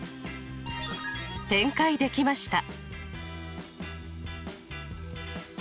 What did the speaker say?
展開できました。